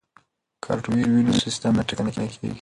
که هارډویر وي نو سیستم نه ټکنی کیږي.